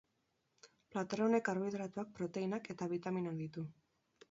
Plater honek karbohidratoak, proteinak eta bitaminak ditu.